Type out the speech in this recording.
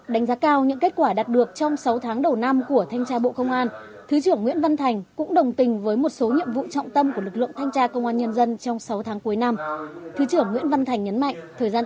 đánh giá cao những kết quả đạt được trong sáu tháng đầu năm của thanh tra bộ công an thứ trưởng nguyễn văn thành cũng đồng tình với một số nhiệm vụ trọng tâm của lực lượng thanh tra công an